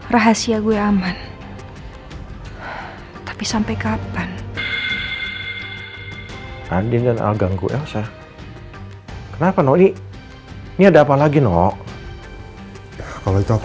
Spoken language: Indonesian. rahasia gue aman tapi sampai kapan andin dan alganggu elsa kenapa noi ini ada apa lagi nok kalau itu aku